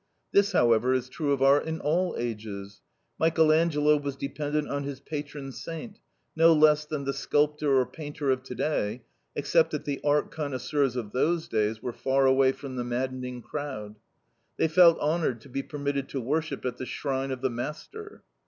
This, however, is true of art in all ages. Michael Angelo was dependent on his patron saint, no less than the sculptor or painter of today, except that the art connoisseurs of those days were far away from the madding crowd. They felt honored to be permitted to worship at the shrine of the master.